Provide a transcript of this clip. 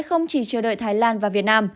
không chỉ chờ đợi thái lan và việt nam